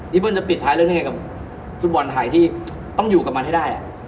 เบิ้ลจะปิดท้ายเรื่องยังไงกับฟุตบอลไทยที่ต้องอยู่กับมันให้ได้